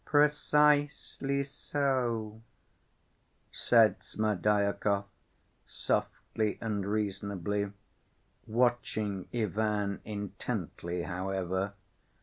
"Precisely so," said Smerdyakov, softly and reasonably, watching Ivan intently, however.